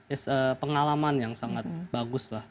ini pengalaman yang sangat bagus